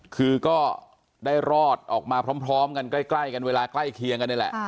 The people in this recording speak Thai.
คือก็ได้รอดออกมาพร้อมกันใกล้กันเวลาใกล้เคียงกันนี่แหละ